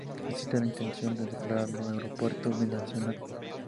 Existe la intención de declararlo Aeropuerto Binacional.